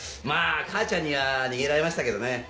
まぁかあちゃんには逃げられましたけどね。